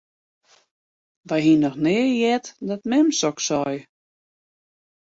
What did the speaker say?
Wy hiene noch nea heard dat mem soks sei.